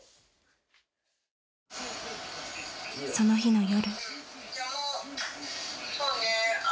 ［その日の夜］